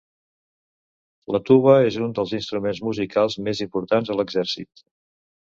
La tuba és un dels instruments musicals més importants a l'exèrcit.